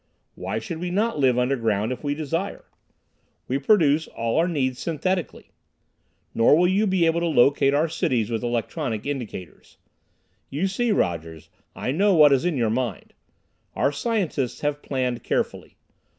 Why should we not live underground if we desire? We produce all our needs synthetically. "Nor will you be able to locate our cities with electronic indicators. "You see, Rogers, I know what is in your mind. Our scientists have planned carefully.